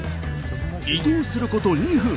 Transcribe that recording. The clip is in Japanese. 移動すること２分。